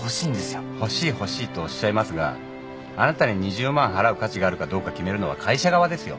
欲しい欲しいとおっしゃいますがあなたに２０万払う価値があるかどうか決めるのは会社側ですよ。